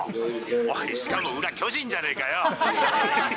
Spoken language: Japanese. おい、しかも裏、巨人じゃねぇかよ！